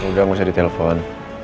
udah gak usah di telpon